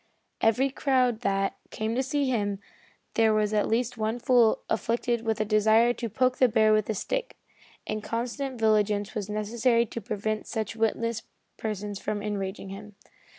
In every crowd that, came to see him there was at least one fool afflicted with a desire to poke the bear with a stick, and constant vigilance was necessary to prevent such witless persons from enraging him.